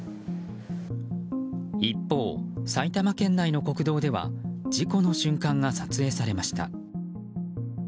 一方、埼玉県内の国道では事故の瞬間が撮影されました。